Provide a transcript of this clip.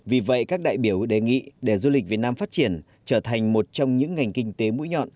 vì vậy các đại biểu đề nghị để du lịch việt nam phát triển trở thành một trong những ngành kinh tế mũi nhọn